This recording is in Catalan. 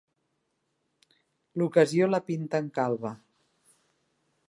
L'ocasió la pinten calba.